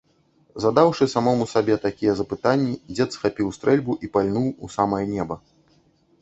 Задаўшы самому сабе такія запытанні, дзед схапіў стрэльбу і пальнуў у самае неба.